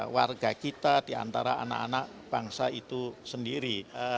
warga kita diantara anak anak bangsa itu sendiri